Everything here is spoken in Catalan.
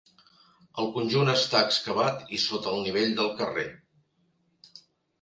El conjunt està excavat i sota el nivell del carrer.